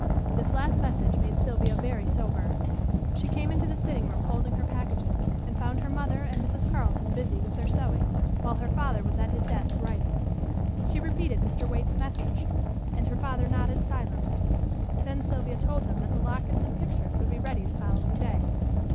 This last message made Sylvia very sober. She came into the sitting room holding her packages, and found her mother and Mrs. Carleton busy with their sewing, while her father was at his desk writing. She repeated Mr. Waite's message, and her father nodded silently. Then Sylvia told them that the lockets and pictures would be ready the following day.